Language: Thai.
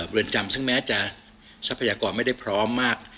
เรือนจำซึ่งแม้จะทรัพยากรไม่ได้พร้อมมาก